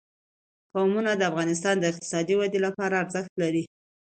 قومونه د افغانستان د اقتصادي ودې لپاره ارزښت لري.